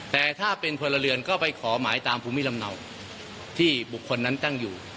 แต่ถ้าเป็นพลเรือนก็ไปขอหมายตามภูมิลำเนาที่บุคคลนั้นตั้งอยู่